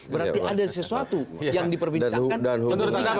berarti ada sesuatu yang diperbincangkan